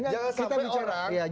jangan sampai orang penikmat reformasi